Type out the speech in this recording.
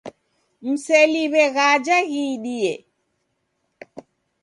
Mseliw'e ghaja ghiidie.